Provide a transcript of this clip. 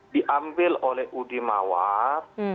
diambil oleh ude mawar